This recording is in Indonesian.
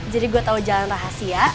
jadi gue tau jalan rahasia